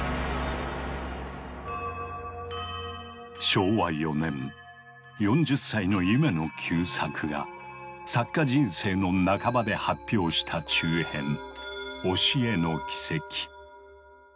昭和４年４０歳の夢野久作が作家人生の半ばで発表した中編「押絵の奇蹟」。